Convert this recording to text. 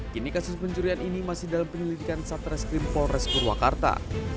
kini kasus pencurian ini masih dalam penyelidikan satreskrim polres purwakarta